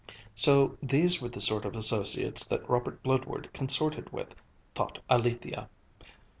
So these were the sort of associates that Robert Bludward consorted with, thought Alethia.